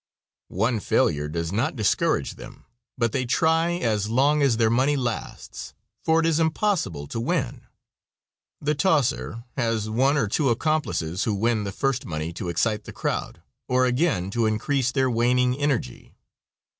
One failure does not discourage them, but they try as long as their money lasts, for it is impossible to win. The "tosser" has one or two accomplices who win the first money to excite the crowd or again to increase their waning energy.